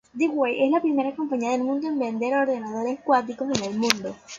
D-Wave es la primera compañía del mundo en vender ordenadores cuánticos en el mundo.